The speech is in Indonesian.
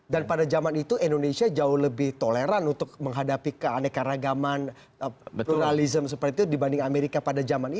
dan pada zaman itu indonesia jauh lebih toleran untuk menghadapi keanekaragaman pluralisme seperti itu dibanding amerika pada zaman itu